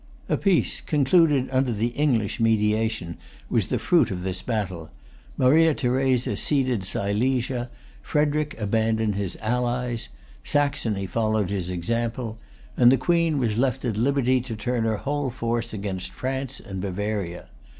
A peace, concluded under the English mediation, was the fruit of this battle. Maria Theresa ceded Silesia,[Pg 267] Frederic abandoned his allies; Saxony followed his example; and the Queen was left at liberty to turn her whole force against France and Bavaria.